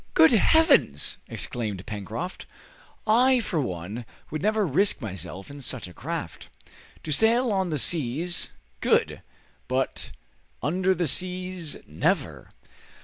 "Good Heavens!" exclaimed Pencroft, "I for one would never risk myself in such a craft. To sail on the seas, good, but under the seas, never!"